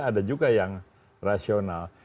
ada juga yang rasional